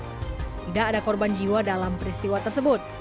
tidak ada korban jiwa dalam peristiwa tersebut